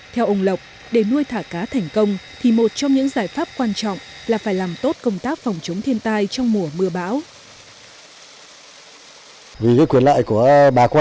theo ông lộc để nuôi thả cá thành công thì một trong những giải pháp quan trọng là phải làm tốt công tác phòng chống thiên tai trong mùa mưa bão